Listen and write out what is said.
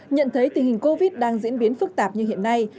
nhận thấy tình hình covid đang diễn biến phức tạp như hiện nay